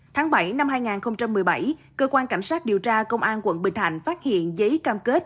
tháng bảy năm hai nghìn một mươi bảy cơ quan cảnh sát điều tra công an quận bình thạnh phát hiện giấy cam kết